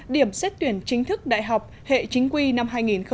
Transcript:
điểm xét tuyển chính thức đại học hệ chính quy năm hai nghìn một mươi tám